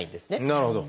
なるほど。